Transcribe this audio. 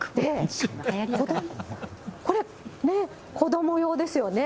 これ、子ども用ですよね。